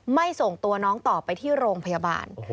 ส่งตัวน้องต่อไปที่โรงพยาบาล